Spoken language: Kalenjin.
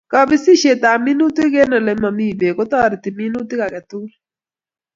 Kapisishet ab minutik eng' ole mami beek kotareti minutik agetugul